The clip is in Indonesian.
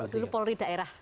dulu polri daerah